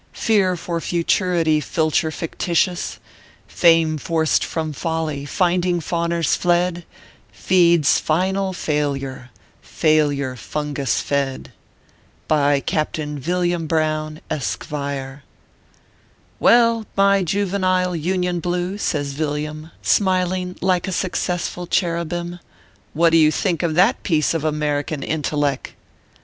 Fear for Futurity, Filcher fictitious ! Fame forced from Folly, finding fawners fled, Feeds final Failure failure fungus fed. By CAPTAIN VJLLIAM Buowx, Eskevire. "Well, iny juvenile Union blue/ says Villiam, smiling like a successful cherubim, " what do you think of that piece of American intelleck